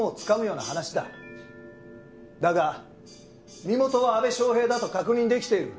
だが身元は阿部祥平だと確認出来ている。